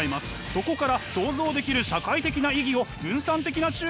そこから想像できる社会的な意義を分散的な注意で見つけてみましょう。